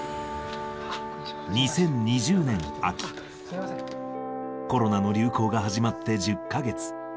２０２０年秋、コロナの流行が始まって１０か月。